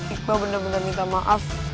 iqbal benar benar minta maaf